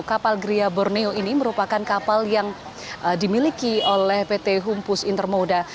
kapal gria borneo ini merupakan kapal yang dimiliki oleh pt humpus intermoda